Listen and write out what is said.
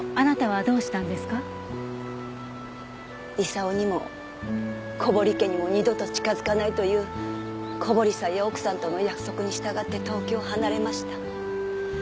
功にも小堀家にも二度と近づかないという小堀さんや奥さんとの約束に従って東京を離れました。